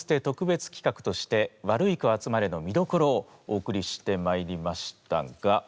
特別企画として「ワルイコあつまれ」の見どころをお送りしてまいりましたが。